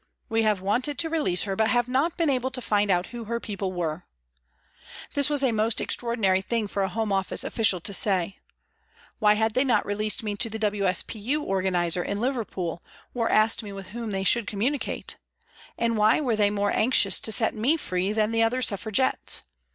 We have wanted to release her, but have not been able to find out who her people were." This was a most extra ordinary thing for a Home Office official to say. Why had they not released me to the W.S.P.U. organiser in Liverpool, or asked me with whom they should communicate ? And why were they more anxious to set me free than the other Suffra gettes